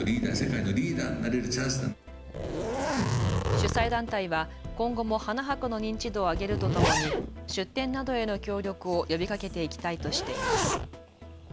主催団体は今後も花博の認知度を上げるとともに出展などへの協力を呼びかけていきたいとしています。